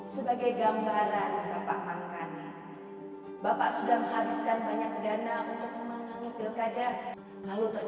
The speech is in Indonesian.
sebagai gambaran bapak mangkani bapak sudah menghabiskan banyak dana untuk memanangi pilkada lalu ternyata bapak kalah bagaimana bapak bagaimana saya tawarkan solusi